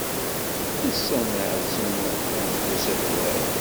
Ass-a neɛzem ad neddu s adrar.